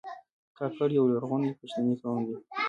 کاکړ یو لرغونی پښتنی قوم دی.